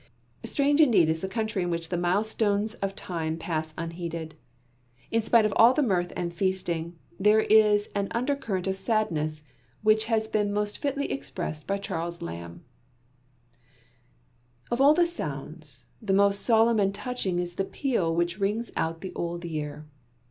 Strange indeed is the country in which the milestones of Time pass unheeded. In spite of all the mirth and feasting, there is an undercurrent of sadness which has been most fitly expressed by Charles Lamb: "Of all the sounds, the most solemn and touching is the peal which rings out the old year.